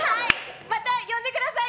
また呼んでください！